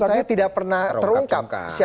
maksud saya tidak pernah terungkap siapa